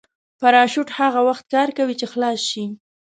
پراشوټ هغه وخت کار کوي چې خلاص شي.